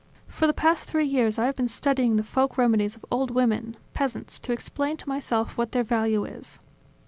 . For the past three years I have been studying the folk remedies of old women, peasants, to explain to myself what their value is